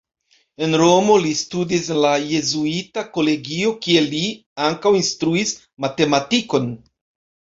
En Romo li studis en la jezuita kolegio kie li ankaŭ instruis matematikon.